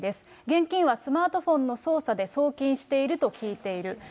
現金はスマートフォンの操作で送金していると聞いている。